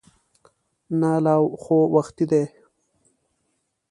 نه لا خو وختي دی.